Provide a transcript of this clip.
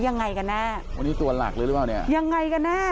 ยังไงกันแน่ะ